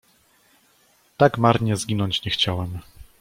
"Tak marnie zginąć nie chciałem."